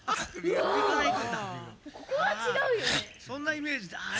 そんなイメージだ。